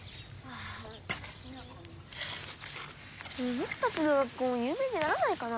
ぼくたちの学校もゆう名にならないかな。